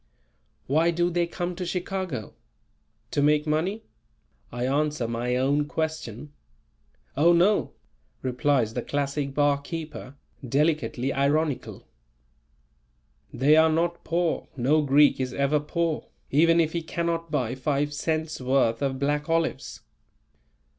"Why do they come to Chicago? To make money?" I answer my own question. "Oh, no!" replies the classic barkeeper, delicately ironical. "They are not poor, no Greek is ever poor, even if he cannot buy five cents' worth of black olives."